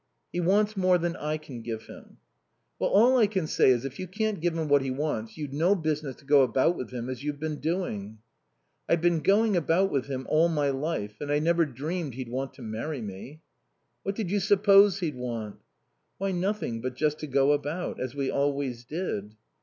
"He wants more than I can give him." "Well, all I can say is if you can't give him what he wants you'd no business to go about with him as you've been doing." "I've been going about with him all my life and I never dreamed he'd want to marry me." "What did you suppose he'd want?" "Why, nothing but just to go about. As we always did."